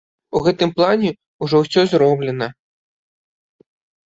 У гэтым плане ўжо ўсё зроблена.